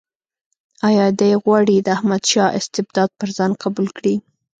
آیا دی غواړي د احمدشاه استبداد پر ځان قبول کړي.